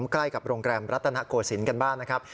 ใกล้กับโรงแรมรัตนโกศิลป์กันบ้างนะครับ